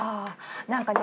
何かね